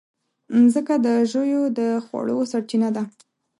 مځکه د ژويو د خوړو سرچینه ده.